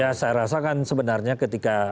ya saya rasa kan sebenarnya ketika